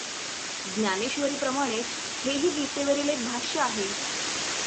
ज्ञानेश्वरीप्रमाणेच हेही गीतेवरील एक भाष्य आहे.